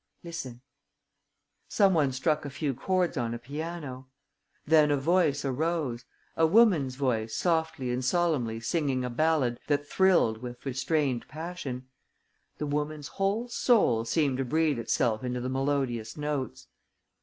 "Listen." Some one struck a few chords on a piano. Then a voice arose, a woman's voice softly and solemnly singing a ballad that thrilled with restrained passion. The woman's whole soul seemed to breathe itself into the melodious notes.